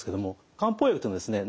漢方薬っていうのはですね